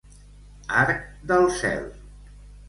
Arc del cel.